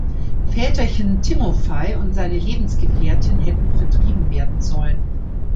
Väterchen Timofei und seine Lebensgefährtin hätten vertrieben werden sollen.